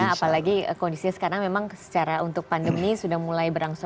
apalagi kondisinya sekarang memang secara untuk pandemi sudah mulai berangsur